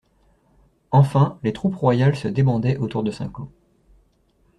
Enfin les troupes royales se débandaient autour de Saint-Cloud.